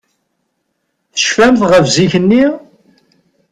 Tecfamt ɣef zik-nni?